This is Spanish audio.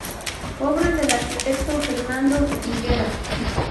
Obra del arquitecto Fernando Higueras.